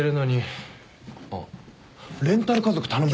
あっレンタル家族頼むとか。